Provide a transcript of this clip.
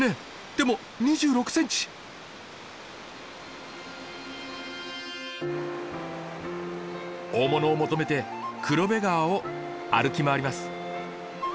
でも大物を求めて黒部川を歩き回ります。